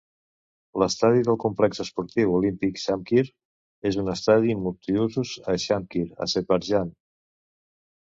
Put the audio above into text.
L'estadi del complex esportiu olímpic Shamkir és un estadi multi-usos a Shamkir, Azerbaijan.